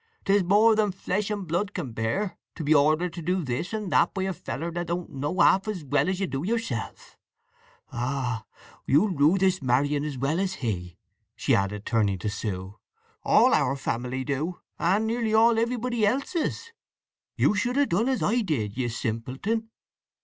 'Tis more than flesh and blood can bear, to be ordered to do this and that by a feller that don't know half as well as you do yourself! … Ah—you'll rue this marrying as well as he!" she added, turning to Sue. "All our family do—and nearly all everybody else's. You should have done as I did, you simpleton!